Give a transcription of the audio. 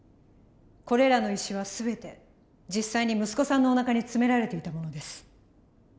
これらの石は全て実際に息子さんのおなかに詰められていたものです。